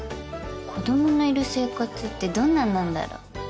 子供のいる生活ってどんななんだろう。